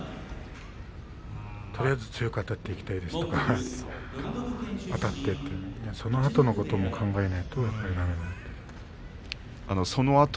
とりあえず強くあたっていきたいですとかあたっていってみんなそのあとのことを考えないとだめだなと。